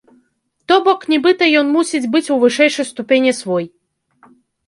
То бок нібыта ён мусіць быць у вышэйшай ступені свой.